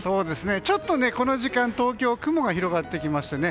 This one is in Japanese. ちょっとこの時間東京、雲が広がってきましたね。